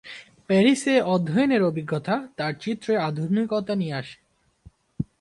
প্যারিসে অধ্যয়নের অভিজ্ঞতা তার চিত্রে আধুনিকতা নিয়ে আসে।